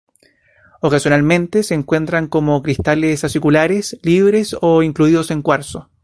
Ocasionalmente se encuentra como cristales aciculares, libres o incluidos en cuarzo.